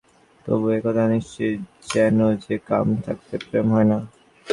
তবে এ-কথা নিশ্চিত জেনো যে, কাম থাকতে প্রেম হয় না।